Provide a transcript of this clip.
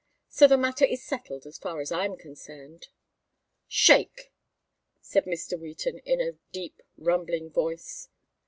So the matter is settled as far as I am concerned." "Shake!" said Mr. Wheaton, in a deep rumbling voice.